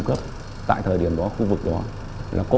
em đến trong